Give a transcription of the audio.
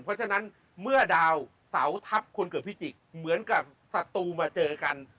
เพราะฉะนั้นเมื่อดาวเสาทัพคนเกิดพิจิกเหมือนกับศัตรูมาเจอกัน